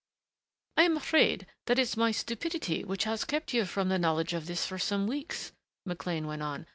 "I am afraid that it is my stupidity which has kept you from the knowledge of this for some weeks," McLean went on.